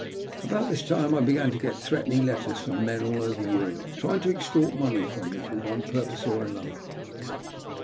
About this time I began to get thr letters from men all over Europe trying to extoi from me for one purpose or another.